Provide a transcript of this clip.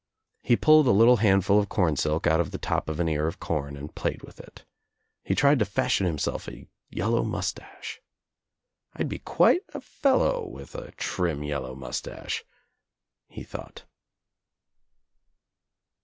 He pulled a little handful of cornsilk out of the top of an ear of com and played with it. He tried to fashion himself a yellow moustache. "I'd be quite a fellow with a trim yellow moustache," he thought.